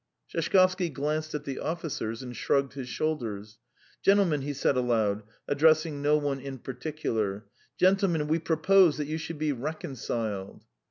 Sheshkovsky glanced at the officers and shrugged his shoulders. "Gentlemen," he said aloud, addressing no one in particular. "Gentlemen, we propose that you should be reconciled."